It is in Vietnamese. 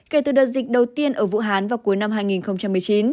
kể từ đợt dịch đầu tiên ở vũ hán vào cuối năm hai nghìn một mươi chín